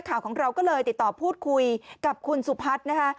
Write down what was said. ข่าวของเราก็เลยติดต่อพูดคุยกับคุณสุพัฒน์นะคะ